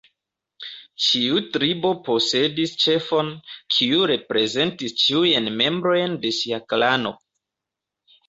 Ĉiu tribo posedis ĉefon, kiu reprezentis ĉiujn membrojn de sia klano.